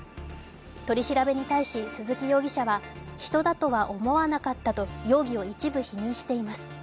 取り調べに対し鈴木容疑者は人だとは思わなかったと容疑を一部否認しています。